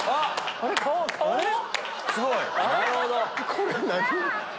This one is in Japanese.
これ何？